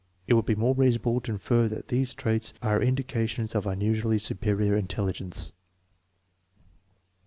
It would be more reasonable to infer that these traits are indications of unusually superior intelligence.